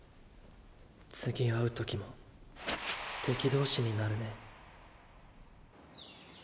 次会う時も敵同士になるね